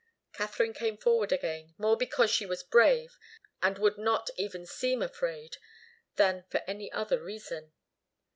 Katharine came forward again, more because she was brave and would not even seem afraid, than for any other reason.